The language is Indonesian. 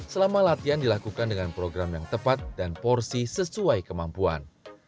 selama latihan dilakukan dengan program yang tepat dan porsi sesuai kemampuan